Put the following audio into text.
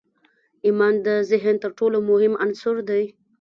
ایمان د ذهن تر ټولو مهم عنصر دی